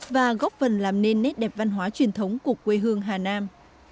và góp phần làm nên nét đẹp văn hóa truyền thống của quê hương hà nam